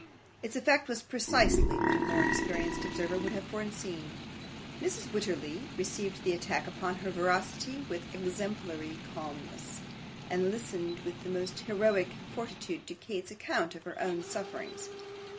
Its effect was precisely what a more experienced observer would have foreseen. Mrs. Wititterly received the attack upon her veracity with exemplary calmness, and listened with the most heroic fortitude to Kate's account of her own sufferings.